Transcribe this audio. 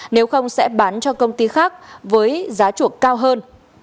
nếu không sẽ bán cho công ty khác với giá chuộc cao hơn